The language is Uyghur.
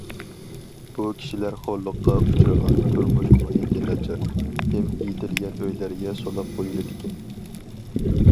بۇ كىشىلەر خورلۇققا ئۇچرىغان، تۇرمۇش مۇھىتى ناچار، ھىم ئېتىلگەن ئۆيلەرگە سولاپ قويۇلىدىكەن.